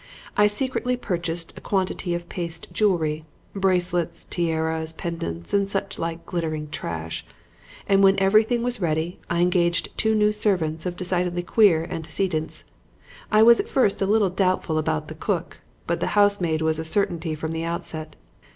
I secretly purchased a quantity of paste jewelry bracelets, tiaras, pendants and such like glittering trash and when everything was ready I engaged two new servants of decidedly queer antecedents. I was at first a little doubtful about the cook, but the housemaid was a certainty from the outset.